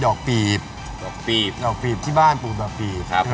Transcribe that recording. อกปีบดอกปีบดอกปีบที่บ้านปูดดอกปีบครับ